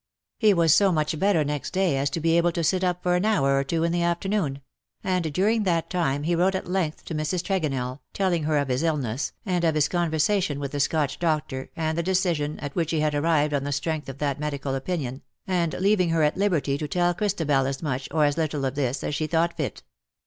He was so much better next day as to be able to sit up for an hour or two in the afternoon ; and during that time he wrote at length to Mrs. Tregonell, telling her of his illness, and of his con versation with the Scotch doctor, and the decision at which he had arrived on the strength of that medical opinion, and leaving her at liberty to tell Christabel as much, or as little of this, as she thought fit.